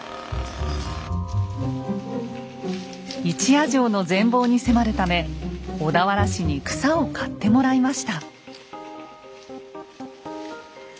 一夜城の全貌に迫るため小田原市に草を刈ってもらいました。